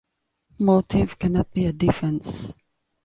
Motive cannot be a defense.